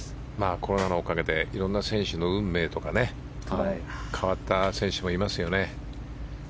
コロナのおかげでいろんな選手の運命とか変わった選手もいますよね。